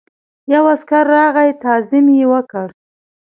یو عسکر راغی تعظیم یې وکړ.